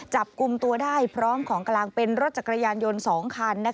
จับกลุ่มตัวได้พร้อมของกลางเป็นรถจักรยานยนต์๒คัน